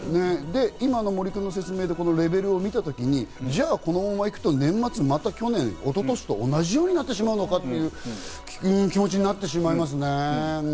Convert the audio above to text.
今の森君の説明でレベルを見たときに、このままいくと年末、また去年、一昨年と同じようになってしまうのかという気持ちになってしまいますね。